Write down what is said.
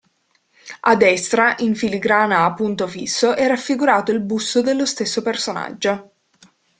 A destra, in filigrana a punto fisso, è raffigurato il busto dello stesso personaggio.